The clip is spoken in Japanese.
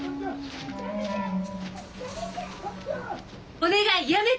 お願いやめて。